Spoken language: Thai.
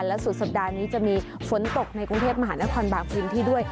และสุดสัปดาห์นี้จะมีฝนตกในกรุงเทพมหานครบางพื้นที่ด้วย